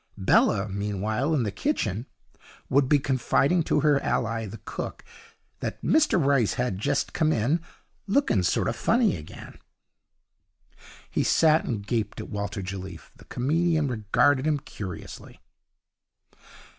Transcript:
Bella, meanwhile, in the kitchen, would be confiding to her ally the cook that 'Mr Rice had jest come in, lookin' sort o' funny again'. He sat and gaped at Walter Jelliffe. The comedian regarded him curiously.